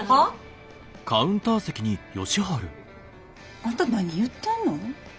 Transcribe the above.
あんた何言ってんの？